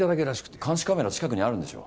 監視カメラ近くにあるんでしょう？